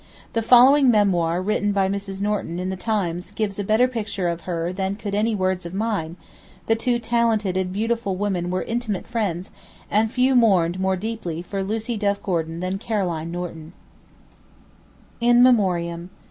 The following memoir written by Mrs. Norton in the Times gives a better picture of her than could any words of mine, the two talented and beautiful women were intimate friends, and few mourned more deeply for Lucie Duff Gordon than Caroline Norton: '"In Memoriam."